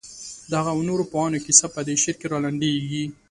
د هغه او نورو پوهانو کیسه په دې شعر کې رالنډېږي.